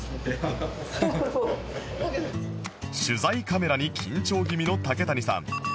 取材カメラに緊張気味の竹谷さん